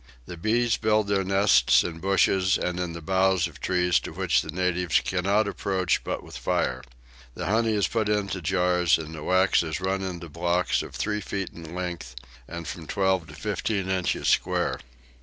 The bees build their nests in bushes and in the boughs of trees to which the natives cannot approach but with fire. The honey is put into jars and the wax is run into blocks of three feet in length and from 12 to 15 inches square.